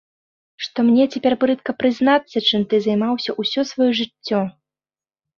Што мне цяпер брыдка прызнацца, чым ты займаўся ўсё сваё жыццё.